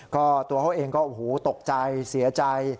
ก็ตัวเขาเองก็โอ้โหตกใจเสียใจ